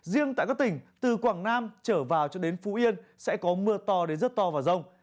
riêng tại các tỉnh từ quảng nam trở vào cho đến phú yên sẽ có mưa to